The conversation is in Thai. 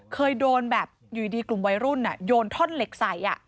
เคยโดนแบบอยู่ดีกลุ่มวัยรุ่นโยนท่อนเหล็กใส่